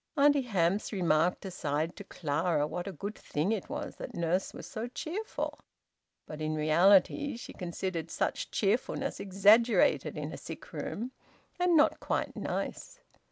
Auntie Hamps remarked aside to Clara what a good thing it was that Nurse was so cheerful; but in reality she considered such cheerfulness exaggerated in a sick room, and not quite nice.